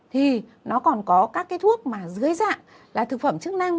thì nó còn có các cái thuốc mà dưới dạng là thực phẩm chức năng